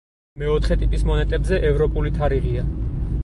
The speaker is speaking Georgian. მეოთხე ტიპის მონეტებზე ევროპული თარიღია.